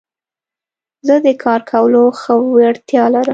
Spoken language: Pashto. زه د کار کولو ښه وړتيا لرم.